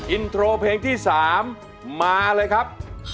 อินโทรเพลงที่๓มาเลยครับ